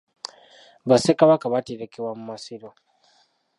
Bassekabaka baterekebwa mu masiro.